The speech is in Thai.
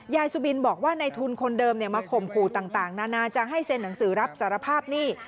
สุบินบอกว่าในทุนคนเดิมมาข่มขู่ต่างนานาจะให้เซ็นหนังสือรับสารภาพหนี้